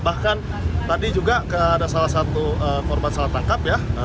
bahkan tadi juga ada salah satu korban salah tangkap ya